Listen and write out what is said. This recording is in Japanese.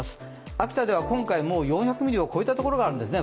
秋田では今回、もう４００ミリを超えたところがあるんですね